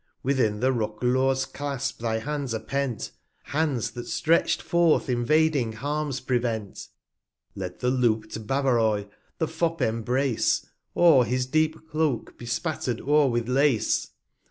50 Within the Roquelaures Clasp thy Hands are pent, Hands, that stretch'd forth invading Harms prevent. Let the loop'd Bavaroy the Fop embrace, Or his deep Cloak be spatter'd o'er with Lace.